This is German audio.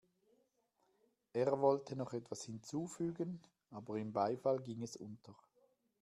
Er wollte noch etwas hinzufügen, aber im Beifall ging es unter.